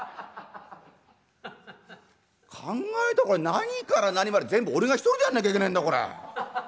「考えたら何から何まで全部俺が一人でやんなきゃいけねえんだこれ。